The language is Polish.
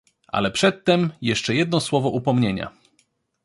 "Ale przedtem jeszcze jedno słowo upomnienia!"